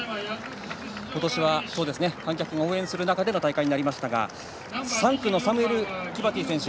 今年は観客も応援する中での大会となりましたが３区のサムエル・キバティ選手